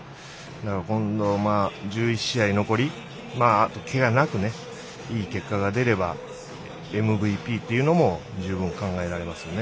残り１１試合けがなくいい結果が出ればＭＶＰというのも十分考えられますね。